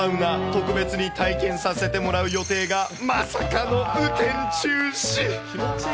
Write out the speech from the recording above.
特別に体験させてもらう予定が、まさかの雨天中止。